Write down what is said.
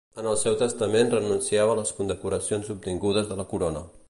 En el seu testament renunciava a les condecoracions obtingudes de la corona.